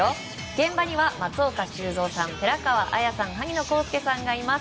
現場には松岡修造さん寺川綾さん、萩野公介さんです。